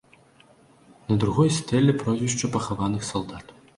На другой стэле прозвішча пахаваных салдат.